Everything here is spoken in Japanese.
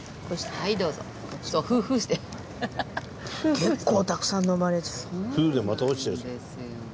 結構たくさん飲まれる。